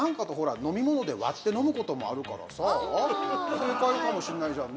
正解かもしんないじゃんね。